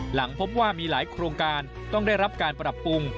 หลังพบว่ามีหลายโครงการต้องได้รับการปรับปรุง